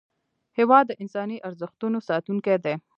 هېواد د انساني ارزښتونو ساتونکی دی.